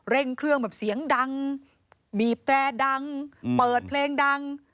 เร่งเครื่องแบบเสียงดังบีบแตรดังเปิดเพลงดัง